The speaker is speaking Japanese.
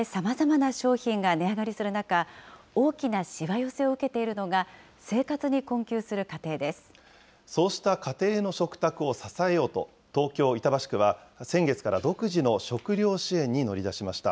光熱費や物価の高騰でさまざまな商品が値上がりする中、大きなしわ寄せを受けているのが、生活にそうした家庭の食卓を支えようと、東京・板橋区は先月から独自の食料支援に乗り出しました。